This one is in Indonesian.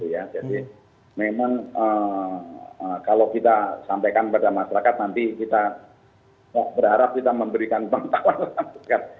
jadi memang kalau kita sampaikan pada masyarakat nanti kita berharap kita memberikan uang tawar